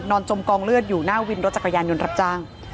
จมกองเลือดอยู่หน้าวินรถจักรยานยนต์รับจ้าง